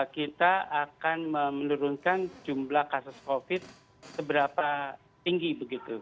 kita akan menurunkan jumlah kasus covid seberapa tinggi begitu